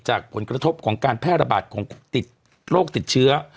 จากผลกระทบของการแพร่ระบาดของติดโรคติดเชื้อ